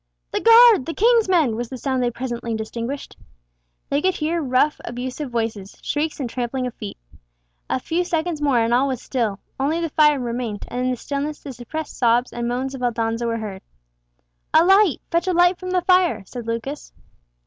"The guard!—the King's men!" was the sound they presently distinguished. They could hear rough abusive voices, shrieks and trampling of feet. A few seconds more and all was still, only the fire remained, and in the stillness the suppressed sobs and moans of Aldonza were heard. "A light! Fetch a light from the fire!" said Lucas.